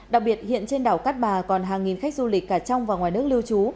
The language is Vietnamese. đặc biệt hiện trên đảo cát bà còn hàng nghìn khách du lịch cả trong và ngoài nước lưu trú